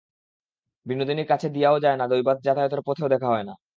বিনোদিনী কাছ দিয়াও যায় না–দৈবাৎ যাতায়াতের পথেও দেখা হয় না।